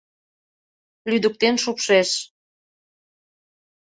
Лӱдыктен шупшеш.